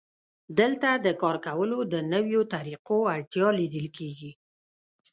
دلته د کار کولو د نویو طریقو اړتیا لیدل کېږي